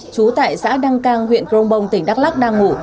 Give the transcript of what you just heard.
trú tại xã đăng cang huyện crong bông tỉnh đắk lắc đang ngủ